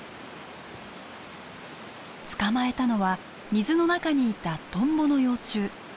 捕まえたのは水の中にいたトンボの幼虫。